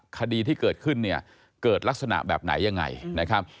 คดีที่เกิดขึ้นเนี่ยเกิดลักษณะแบบไหนยังไงนะครับ